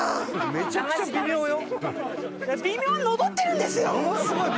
めちゃくちゃ微妙よ。